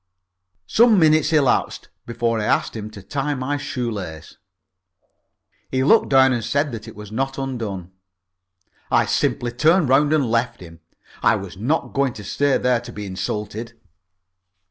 Some minutes elapsed before I asked him to tie my shoe lace. He looked down and said that it was not undone. I simply turned round and left him, I was not going to stay there to be insulted.